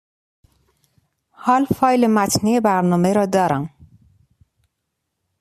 حال فایل متنی برنامه را دارم.